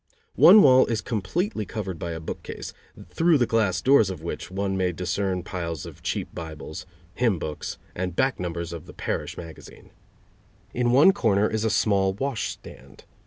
One wall is completely covered by a bookcase, through the glass doors of which one may discern piles of cheap Bibles, hymn books and back numbers of the parish magazine. In one corner is a small washstand.